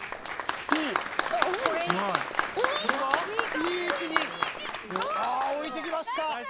いい位置にあぁ置いてきました。